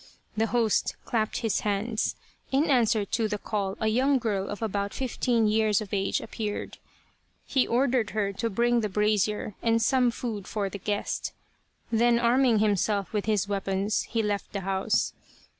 The host clapped his hands. In answer to the call a young girl of about fifteen years of age appeared. He ordered her to bring the brazier and some food for the guest. Then arming himself with his weapons, he left the house.